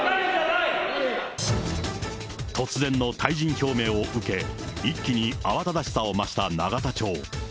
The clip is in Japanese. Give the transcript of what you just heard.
突然の退陣表明を受け、一気にあわただしさを増した永田町。